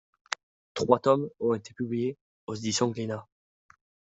Trois tomes ont été publiés aux éditions Glénat.